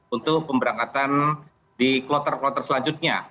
untuk pemberangkatan di kloter kloter selanjutnya